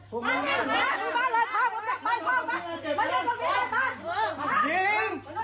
หยิง